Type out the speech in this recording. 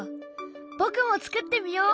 僕も作ってみよう！